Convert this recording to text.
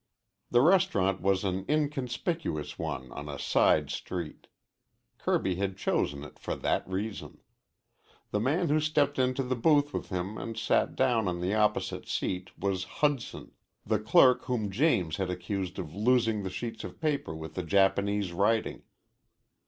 The restaurant was an inconspicuous one on a side street. Kirby had chosen it for that reason. The man who stepped into the booth with him and sat down on the opposite seat was Hudson, the clerk whom James had accused of losing the sheets of paper with the Japanese writing.